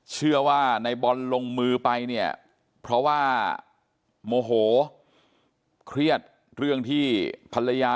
เชื่อว่าในบอลลงมือไปเนี่ยเพราะว่าโมโหเครียดเรื่องที่ภรรยา